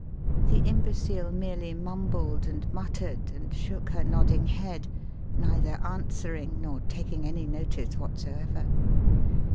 The imbecile merely mumbled and muttered, and shook her nodding head, neither answering nor taking any notice whatsoever.